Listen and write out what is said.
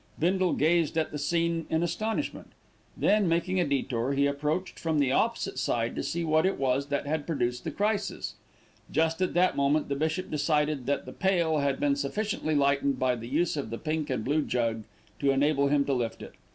Bindle gazed at the scene in astonishment, then, making a detour, he approached from the opposite side, to see what it was that had produced the crisis. Just at that moment, the bishop decided that the pail had been sufficiently lightened by the use of the pink and blue jug to enable him to lift it.